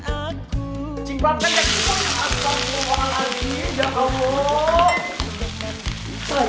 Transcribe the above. aduh asal buruan lagi